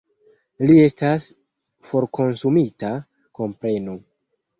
Li estas forkonsumita, komprenu!